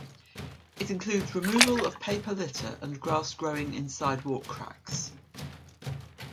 It includes removal of paper litter and grass growing in sidewalk cracks.